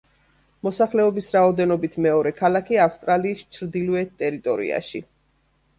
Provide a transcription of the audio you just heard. მოსახლეობის რაოდენობით მეორე ქალაქი ავსტრალიის ჩრდილოეთ ტერიტორიაში.